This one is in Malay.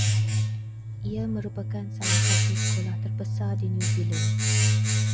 Ia merupakan salah satu sekolah terbesar di New Zealand